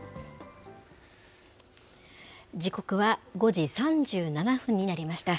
時刻は５時３７分になりました。